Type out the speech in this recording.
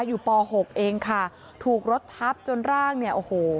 อยู่ป๖เองค่ะถูกรถทับจนร่างเนี่ยโอ้โห